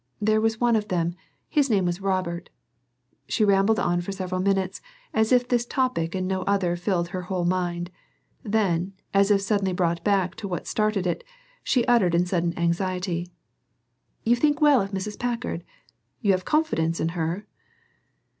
There was one of them his name was Robert " Here she rambled on for several minutes as if this topic and no other filled her whole mind; then, as if suddenly brought back to what started it, she uttered in sudden anxiety, "You think well of Mrs. Packard? You have confidence in her?"